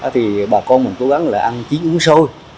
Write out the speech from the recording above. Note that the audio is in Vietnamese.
thì bà con mình cố gắng là ăn chiến uống sôi